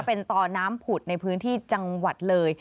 เป็นต่อน้ำผุดในพื้นที่จังหวัดเลย